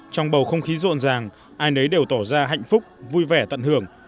trong bầu không khí rộn ràng ai nấy đều tỏ ra hạnh phúc vui vẻ tận hưởng